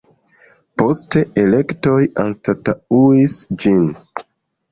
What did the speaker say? Poste elektoj anstataŭis ĝin.